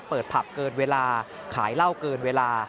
ผับเกินเวลาขายเหล้าเกินเวลา